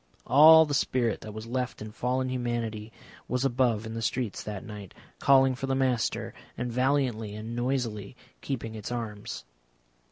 All the spirit that was left in fallen humanity was above in the streets that night, calling for the Master, and valiantly and noisily keeping its arms.